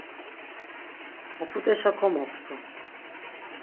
Op̌uteşa komoxtu.